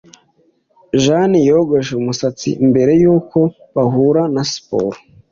jane yogoshe umusatsi mbere yuko bahura na siporo